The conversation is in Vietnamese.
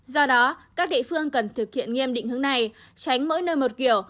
do đó các địa phương cần thực hiện nghiêm định hướng này tránh mỗi nơi một kiểu